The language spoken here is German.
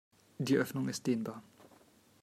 Die Öffnung ist dehnbar.